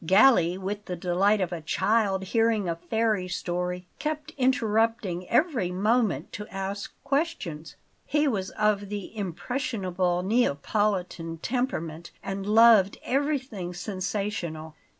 Galli, with the delight of a child hearing a fairy story, kept interrupting every moment to ask questions. He was of the impressionable Neapolitan temperament and loved everything sensational.